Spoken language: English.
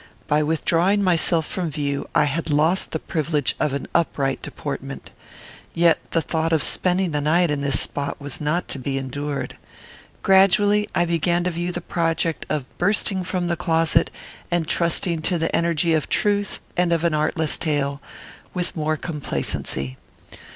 By withdrawing myself from view I had lost the privilege of an upright deportment. Yet the thought of spending the night in this spot was not to be endured. Gradually I began to view the project of bursting from the closet, and trusting to the energy of truth and of an artless tale, with more complacency.